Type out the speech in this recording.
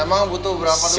memang butuh berapa dulu sih